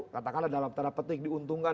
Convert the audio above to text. katakanlah dalam tanda petik diuntungkan